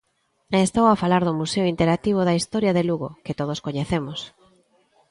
E estou a falar do Museo Interactivo da Historia de Lugo, que todos coñecemos.